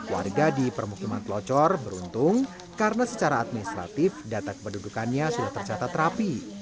warga di permukiman pelocor beruntung karena secara administratif data kependudukannya sudah tercatat rapi